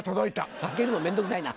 開けるの面倒くさいな